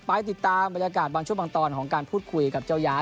ไปติดตามบรรยากาศบางช่วงบางตอนของการพูดคุยกับเจ้าย้าย